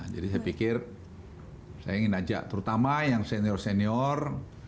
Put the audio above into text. jadi saya pikir saya ingin ajak terutama yang senior senior